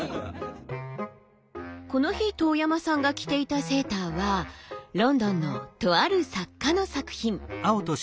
この日遠山さんが着ていたセーターはロンドンのとある作家の作品。